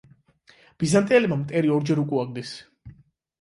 ბიზანტიელებმა მტერი ორჯერ უკუაგდეს.